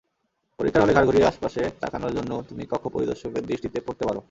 পরীক্ষার হলে ঘাড় ঘুড়িয়ে আশপাশে তাকানোর জন্যও তুমি কক্ষপরিদর্শকের দৃষ্টিতে পড়তে পারো।